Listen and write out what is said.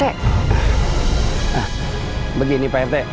ah begini pak rt